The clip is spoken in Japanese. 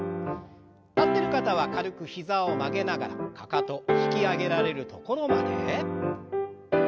立ってる方は軽く膝を曲げながらかかと引き上げられるところまで。